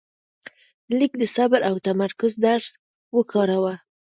لیک د صبر او تمرکز درس ورکاوه.